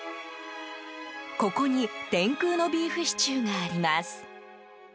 ここに、天空のビーフシチューがあります。